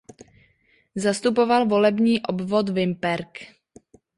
Zastupoval volební obvod Vimperk.